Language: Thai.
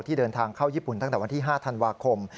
เดินทางเข้าญี่ปุ่นตั้งแต่วันที่๕ธันวาคม